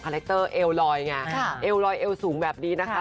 แรคเตอร์เอวลอยไงเอวลอยเอวสูงแบบนี้นะคะ